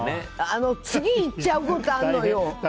次、行っちゃうことあるのよ。